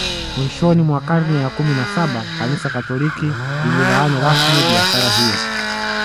Mwishoni mwa karne ya kumi na Saba Kanisa Katoliki lililaani rasmi biashara hiyo